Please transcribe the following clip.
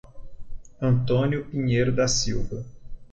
Antônio Pinheiro da Silva